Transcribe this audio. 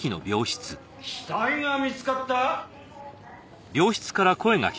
死体が見つかった！？